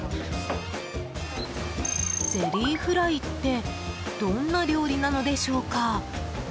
ゼリーフライってどんな料理なのでしょうか？